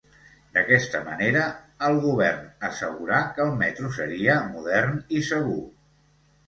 D'aquesta manera, el govern assegurà que el metro seria modern i segur.